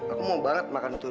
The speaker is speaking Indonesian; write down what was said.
aku mau banget makan itu